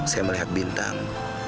saya melihat bintang